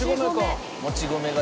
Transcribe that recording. もち米だ。